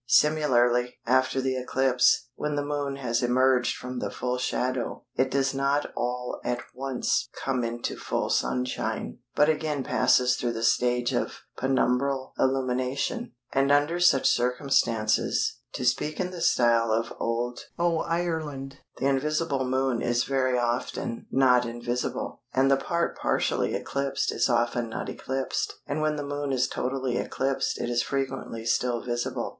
Similarly, after the eclipse, when the Moon has emerged from the full shadow it does not all at once come into full sunshine, but again passes through the stage of penumbral illumination, and under such circumstances (to speak in the style of Old "Oireland") the invisible Moon is very often not invisible, and the part partially eclipsed is often not eclipsed, and when the Moon is totally eclipsed it is frequently still visible.